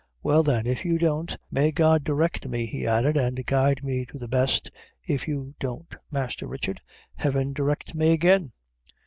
"Well, then, if you don't may God direct! me!" he added, "an' guide me to the best if you don't, Masther Richard Heaven direct me agin!